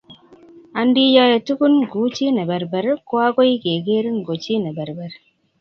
Andiyoe tugun kuchineberber, koagoi kegerin ko chi neberber